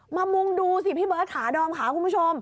มามุ่งดูสิพี่เบิร์ตขาดอมขาคุณผู้ชม